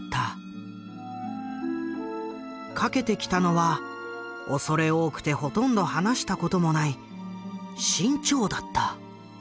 かけてきたのは恐れ多くてほとんど話したこともない志ん朝だった。